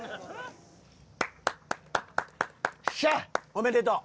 おめでとう。